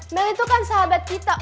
mell itu kan sahabat kita